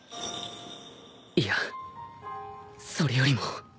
いやそれよりも